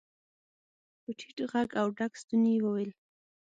په ټيټ غږ او ډک ستوني يې وويل.